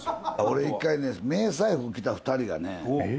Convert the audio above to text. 俺１回ね迷彩服着た２人がね。